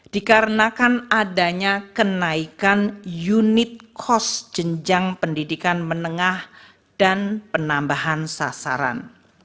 dikarenakan adanya kenaikan unit cost jenjang pendidikan menengah dan penambahan sasaran